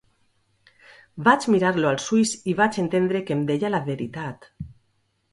Vaig mirar-lo als ulls i vaig entendre que em deia la veritat.